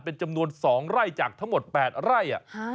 เป็นจำนวน๒ไร่จากทั้งหมด๘ไร่